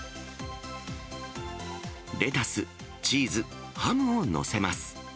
レタス、チーズ、ハムを載せます。